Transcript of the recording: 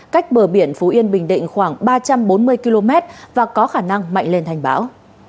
cách bờ biển phú yên bình định khoảng ba trăm bốn mươi km và có khả năng mạnh lên thành bão